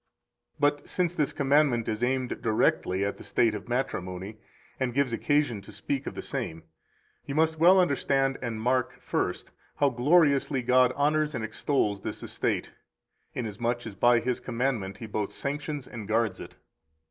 206 But since this commandment is aimed directly at the state of matrimony and gives occasion to speak of the same, you must well understand and mark, first, how gloriously God honors and extols this estate, inasmuch as by His commandment He both sanctions and guards it.